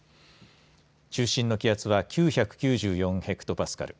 中心の気圧は９９４ヘクトパスカル。